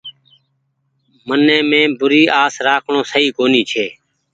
من مين بوري آس رآکڻو سئي ڪونيٚ ڇي۔